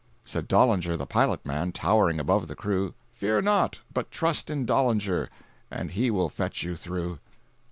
Said Dollinger the pilot man, Tow'ring above the crew, "Fear not, but trust in Dollinger, And he will fetch you through."